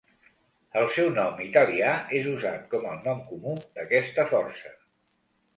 El seu nom italià és usat com el nom comú d'aquesta força.